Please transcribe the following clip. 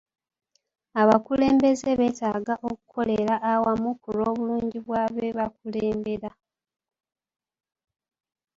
Abakulembeze beetaaga okukolera awamu ku lw'obulungi bwa be bakulembera.